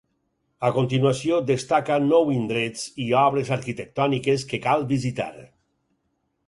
A continuació, destaca nou indrets i obres arquitectòniques que cal visitar.